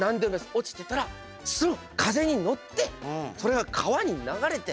落ちてたらすぐ風に乗ってそれが川に流れて。